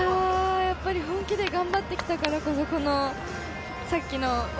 本気で頑張ってきたからこそ、さっきのお！